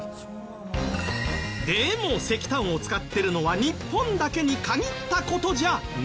でも石炭を使ってるのは日本だけに限った事じゃない。